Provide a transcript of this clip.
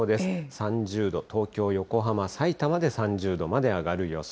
３０度、東京、横浜、さいたまで３０度まで上がる予想。